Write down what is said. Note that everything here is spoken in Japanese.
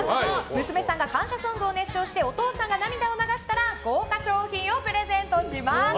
娘さんが感謝ソングを熱唱してお父様が涙を流したら豪華賞品をプレゼントします！